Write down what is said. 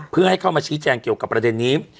เพื่อให้เข้ามาชี้แจงเกี่ยวกับประเด็นนี้